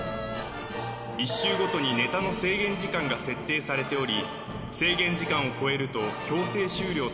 １周ごとにネタの制限時間が設定されており・